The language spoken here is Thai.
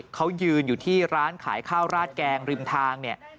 เขายืนอยู่ที่ร้านขายข้าวราดแกงริมทางเนี่ย